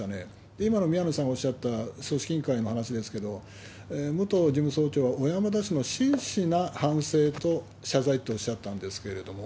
今の宮根さんがおっしゃった組織委員会の話ですけど、武藤事務総長、小山田氏の真摯な反省と謝罪とおっしゃったんですけども。